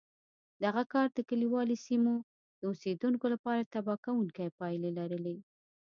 دغه کار د کلیوالي سیمو د اوسېدونکو لپاره تباه کوونکې پایلې لرلې